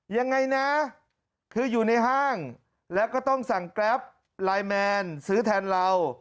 ยังไงนะคืออยู่ในห้างแล้วก็ต้องสั่งแกรปไลน์แมนซื้อแทนเรา